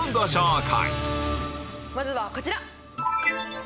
まずはこちら。